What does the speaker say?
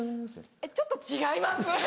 えっちょっと違います。